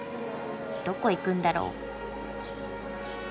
どこ行くんだろう？